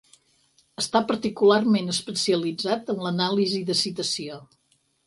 Està particularment especialitzat en l'anàlisi de citació.